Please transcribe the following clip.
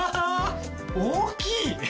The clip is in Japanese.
大きい。